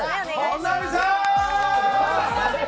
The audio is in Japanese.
本並さーん！